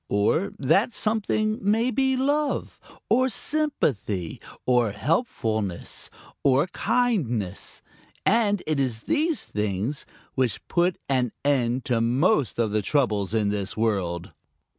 Or that something may be love or sympathy or helpfulness or kindness, and it is these things which put an end to most of the troubles in this world.